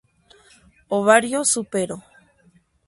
Ovario súpero.